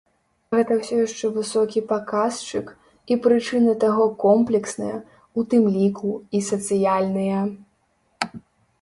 Гэта ўсё яшчэ высокі паказчык, і прычыны таго комплексныя, у тым ліку, і сацыяльныя.